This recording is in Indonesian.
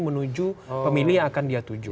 menuju pemilih yang akan dia tuju